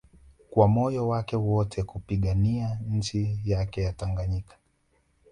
kwa moyo wake wote kuipigania nchi yake ya Tanganyika